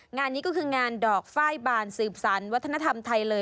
งานนี้ก็คืองานดอกไฟล์บานสืบสารวัฒนธรรมไทยเลย